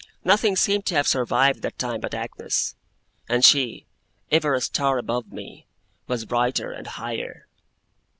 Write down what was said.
Nothing seemed to have survived that time but Agnes; and she, ever a star above me, was brighter and higher.